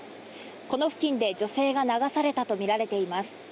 この付近で女性が流されたとみられています。